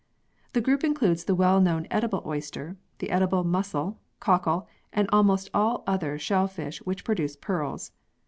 The group includes the well known edible oyster, the edible mussel, cockle, and almost all the other shellfish which produce pearls.